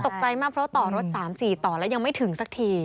ตกใจมากเพราะต่อรถ๓๔ต่อแล้วยังไม่ถึงสักที